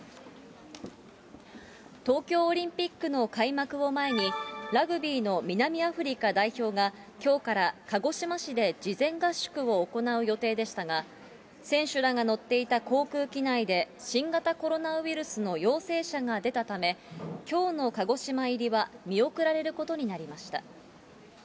東京オリンピックの開幕を前に、ラグビーの南アフリカ代表が、きょうから鹿児島市で事前合宿を行う予定でしたが、選手らが乗っていた航空機内で新型コロナウイルスの陽性者が出たため、きょうの鹿児島入りは見送られることになりました。